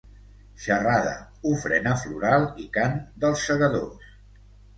Xerrada, ofrena floral i cant dels Segadors.